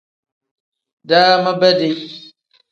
Daama bedi.